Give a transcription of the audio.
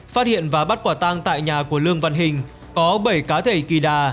phát hiện và bắt quả tang tại nhà của lương văn hình có bảy cá thể kỳ đà